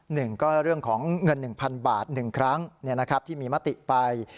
หนึ่งก็เรื่องของเงิน๑๐๐๐บาท๑ครั้งที่มีมติไป